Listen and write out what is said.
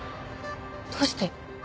どうして？